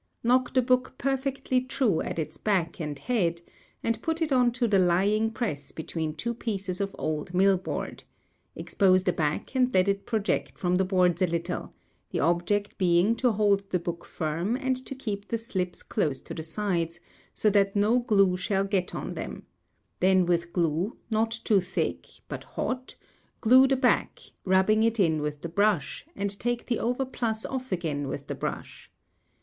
Knock the book perfectly true at its back and head, and put it into the lying press between two pieces of old mill board; expose the back and let it project from the boards a little, the object being to hold the book firm and to keep the slips close to the sides, so that no glue shall get on them; then with glue, not too thick, but hot, glue the back, rubbing it in with the brush, and take the overplus off again with the brush.